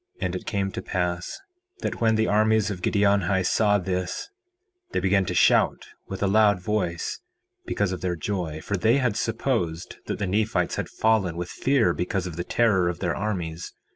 4:9 And it came to pass that when the armies of Giddianhi saw this they began to shout with a loud voice, because of their joy, for they had supposed that the Nephites had fallen with fear because of the terror of their armies.